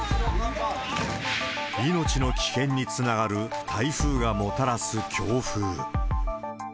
命の危険につながる、台風がもたらす強風。